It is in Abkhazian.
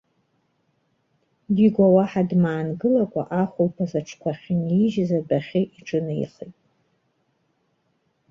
Дигәа уаҳа дмаангылакәа, ахәылԥаз аҽқәа ахьынижьыз адәахьы иҿынеихеит.